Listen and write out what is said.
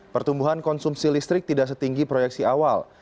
pertumbuhan konsumsi listrik tidak setinggi proyeksi awal